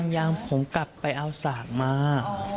ยังผมกลับไปเอาสัตว์มา